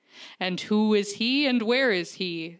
"And who is he and where is he?